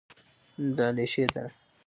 د علیشې دره: